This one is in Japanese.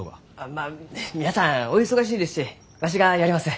まあ皆さんお忙しいですしわしがやります。